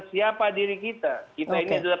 siapa diri kita kita ini adalah